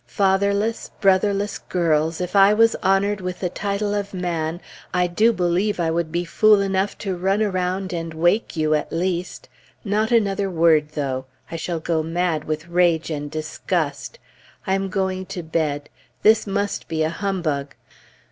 Fatherless, brotherless girls, if I was honored with the title of Man, I do believe I would be fool enough to run around and wake you, at least! Not another word, though. I shall go mad with rage and disgust. I am going to bed. This must be a humbug.